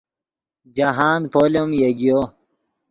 جاہند پولیم یگیو